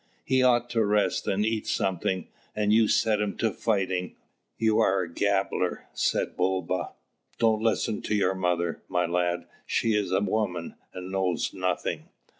"He ought to rest, and eat something; and you set him to fighting!" "You are a gabbler!" said Bulba. "Don't listen to your mother, my lad; she is a woman, and knows nothing.